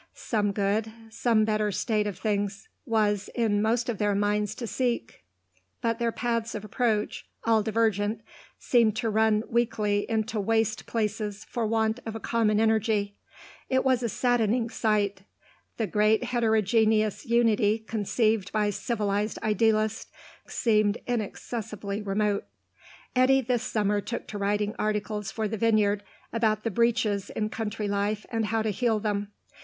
Some good, some better state of things, was in most of their minds to seek; but their paths of approach, all divergent, seemed to run weakly into waste places for want of a common energy. It was a saddening sight. The great heterogeneous unity conceived by civilised idealists seemed inaccessibly remote. Eddy this summer took to writing articles for the Vineyard about the breaches in country life and how to heal them.